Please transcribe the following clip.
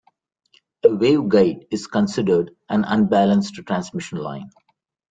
A waveguide is considered an unbalanced transmission line.